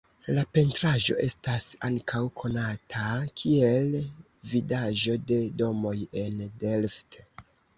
La pentraĵo estas ankaŭ konata kiel Vidaĵo de domoj en Delft.